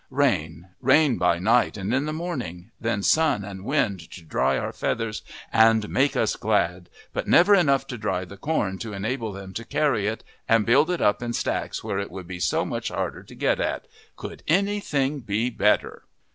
Rain, rain, by night and in the morning; then sun and wind to dry our feathers and make us glad, but never enough to dry the corn to enable them to carry it and build it up in stacks where it would be so much harder to get at. Could anything be better!